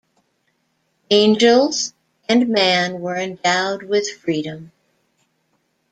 Angels and man were endowed with freedom.